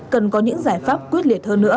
cần có những giải pháp quyết liệt hơn nữa